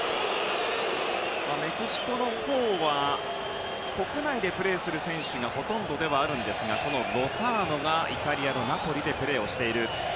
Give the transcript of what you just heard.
メキシコのほうは国内でプレーする選手がほとんどですがロサーノがイタリアのナポリでプレーをしている。